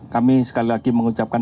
kami sekali lagi mengucapkan